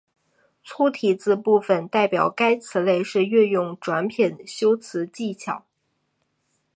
粗体字部分代表该词类是运用转品修辞技巧。